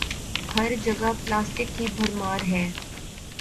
ہر جگہ پلاسٹک کی بھرمار ہے۔